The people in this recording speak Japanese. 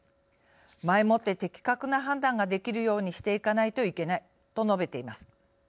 前もって的確な判断ができるようにしていかないといけない」と述べています。